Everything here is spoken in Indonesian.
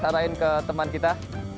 arahin ke teman kita